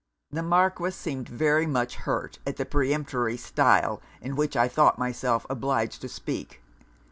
'The Marquis seemed very much hurt at the peremptory style in which I thought myself obliged to speak.